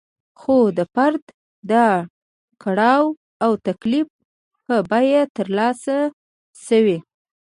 خو د فرد د کړاو او تکلیف په بیه ترلاسه شوې.